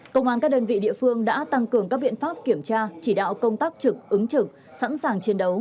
công an các đơn vị địa phương đã tăng cường các biện pháp kiểm tra chỉ đạo công tác trực ứng trực sẵn sàng chiến đấu